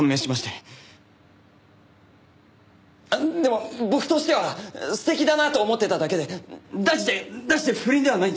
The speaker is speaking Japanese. あっでも僕としては素敵だなと思ってただけで断じて断じて不倫ではないんです。